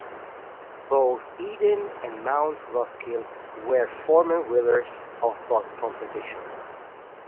Both Eden and Mount Roskill were former willers of both competitions.